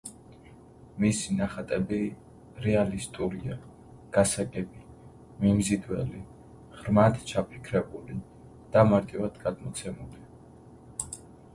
მისი ნახატები რეალისტურია, გასაგები, მიმზიდველი, ღრმად ჩაფიქრებული და მარტივად გადმოცემული.